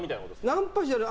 ナンパじゃない。